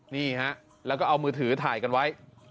นี่ฮะแล้วก็เอามือถือถ่ายกันไว้